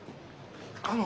あの。